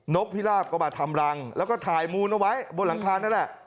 กพิราบก็มาทำรังแล้วก็ถ่ายมูลเอาไว้บนหลังคานั่นแหละ